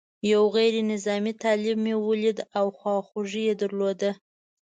یو غیر نظامي طالب مې ولید او خواخوږي یې درلوده.